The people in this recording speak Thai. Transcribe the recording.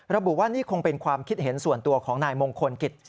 ระบุว่านี่คงเป็นความคิดเห็นส่วนตัวของนายมงคลกิจ